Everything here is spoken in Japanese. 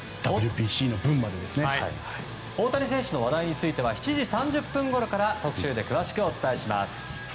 大谷選手の話題については７時３０分ごろから特集で詳しくお伝えします。